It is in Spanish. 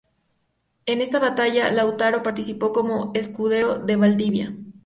En esta batalla, Lautaro, participó como escudero de Valdivia.